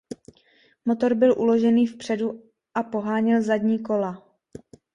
Motor byl uložený vpředu a poháněl zadní kola.